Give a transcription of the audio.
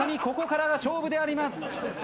ここからが勝負であります。